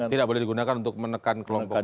tidak boleh digunakan untuk menekan kelompok